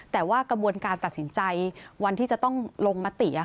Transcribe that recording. แต่ว่ากระบวนการตัดสินใจวันที่จะต้องลงมติ